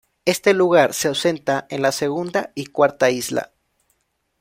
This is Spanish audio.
Este lugar se ausenta en la segunda y cuarta isla.